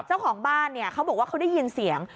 เจ้าของบ้านเขาบอกว่าเขามันได้ยินเสียง